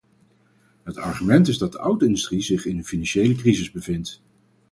Het argument is dat de auto-industrie zich in een financiële crisis bevindt.